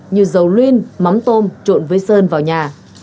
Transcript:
như dầu luyên mắm tôm trộn với sơn vào nhà